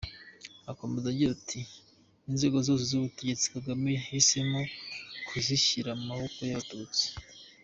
Akomeza agira ati “inzego zose z’ubutegetsi Kagame yahisemo kuzishyira mu maboko y’Abatutsi.”